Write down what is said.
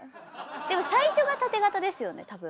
でも最初がタテ型ですよね多分。